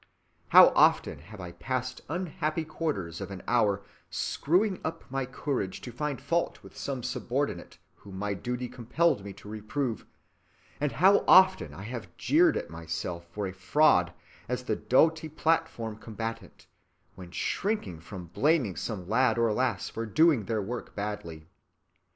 How often have I passed unhappy quarters of an hour screwing up my courage to find fault with some subordinate whom my duty compelled me to reprove, and how often have I jeered at myself for a fraud as the doughty platform combatant, when shrinking from blaming some lad or lass for doing their work badly.